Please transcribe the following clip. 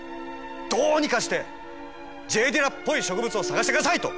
どうにかしてＪ・ディラっぽい植物を探してくださいと！